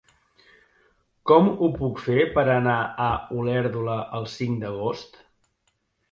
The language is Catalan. Com ho puc fer per anar a Olèrdola el cinc d'agost?